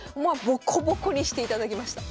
ボコボコにしていただきました。